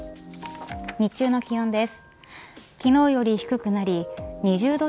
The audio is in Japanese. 日中の気温です。